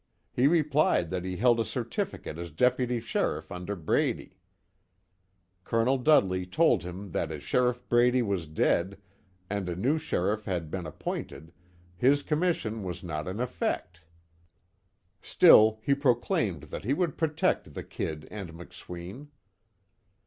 He replied that he held a certificate as deputy sheriff under Brady. Col. Dudley told him that as Sheriff Brady was dead, and a new sheriff had been appointed, his commission was not in effect. Still he proclaimed that he would protect the "Kid" and McSween.